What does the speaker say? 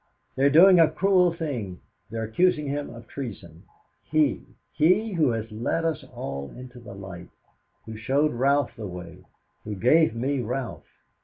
"They are doing a cruel thing; they are accusing him of treason he he who has led us all into the light, who showed Ralph the way, who gave me Ralph.